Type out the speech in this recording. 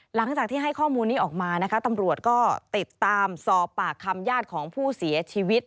หลังจากที่ให้ข้อมูลนี้ออกมานะคะตำรวจก็ติดตามสอบปากคำญาติของผู้เสียชีวิต